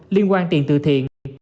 liên quan tiền từ thiện